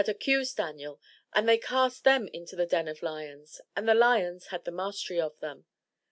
"I accused Daniel, and they cast them into the den of lions; and the lions had the mastery of them.